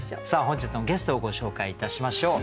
本日のゲストをご紹介いたしましょう。